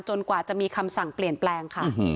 กว่าจะมีคำสั่งเปลี่ยนแปลงค่ะ